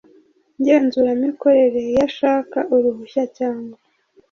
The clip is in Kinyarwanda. ngenzuramikorere iyo ashaka uruhushya cyangwa